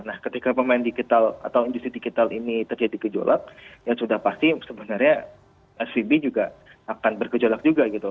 nah ketika pemain digital atau industri digital ini terjadi gejolak ya sudah pasti sebenarnya svb juga akan bergejolak juga gitu